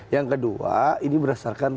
yang kedua ini berdasarkan